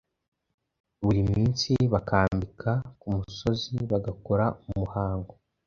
Buri minsi bakambika kumusozibagakora umuhango